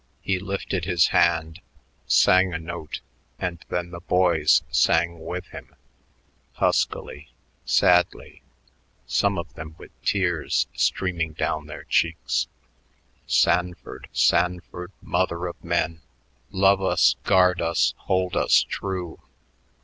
He lifted his hand, sang a note, and then the boys sang with him, huskily, sadly, some of them with tears streaming down their cheeks: "Sanford, Sanford, mother of men, Love us, guard us, hold us true.